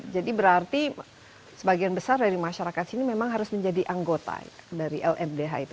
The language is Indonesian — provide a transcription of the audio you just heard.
jadi berarti sebagian besar dari masyarakat sini memang harus menjadi anggota dari lmdh itu